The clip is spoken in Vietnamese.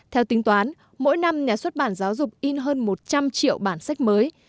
theo tính toán mỗi năm nhà xuất bản giáo dục in hơn một trăm linh triệu bản sách mới